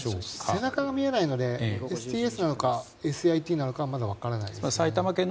背中が見えないのでＳＴＳなのかＳＩＴなのかまだ分からないです。